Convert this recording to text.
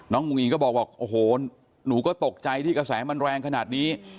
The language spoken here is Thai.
อุ้งอิงก็บอกโอ้โหหนูก็ตกใจที่กระแสมันแรงขนาดนี้